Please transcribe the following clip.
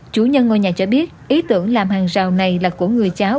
chủ nhân ngôi nhà cho biết ý tưởng làm hàng rào này là của người cháu